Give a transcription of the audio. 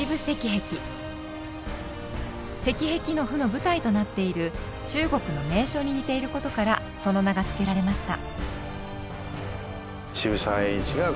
「赤壁賦」の舞台となっている中国の名所に似ていることからその名が付けられました。